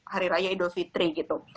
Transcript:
hari raya idul fitri gitu